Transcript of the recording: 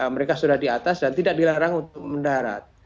mereka sudah di atas dan tidak dilarang untuk mendarat